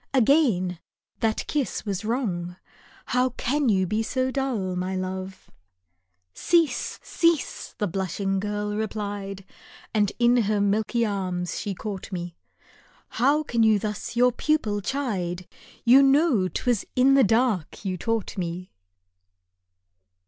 again that kiss was wrong, How can you be so dull, my love ? "Cease, cease !" the blushing girl replied And in her milky arms she caught me " How can you thus your pupil chide ; You know 'I was in the dark you taught me